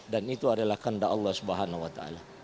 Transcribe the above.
dan itu adalah kandah allah swt